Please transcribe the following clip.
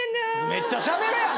めっちゃしゃべるやん！